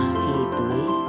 mệnh hòa thì tưới